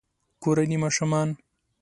کورني ماشومان